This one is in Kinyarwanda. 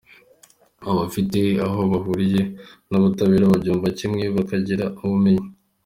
abafite aho bahuriye n’ubutabera babyumva kimwe, bakagira ubumenyi